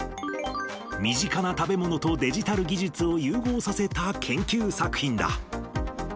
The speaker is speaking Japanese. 身近な食べ物とデジタル技術を融合させた研究作品だ。